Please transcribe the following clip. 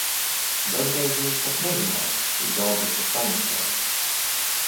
Dažreiz jūs pat nezināt, cik daudz esat samaksājis.